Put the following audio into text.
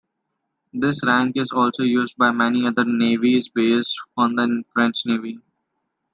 This rank is also used by many other navies based on the French Navy.